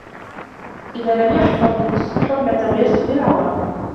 إذْ لَمْ يَحْفَظْ الْحُرْمَةَ وَيَسْتُرْ الْعَوْرَةَ